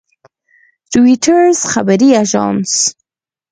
رویټرز خبري اژانس